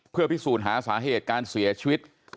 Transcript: เพื่อพิสูจน์หาสาเหตุการเสียชีวิต